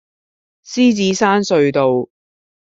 獅子山隧道